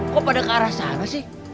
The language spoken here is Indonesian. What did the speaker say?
kok pada ke arah sana sih